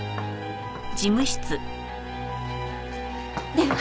電話！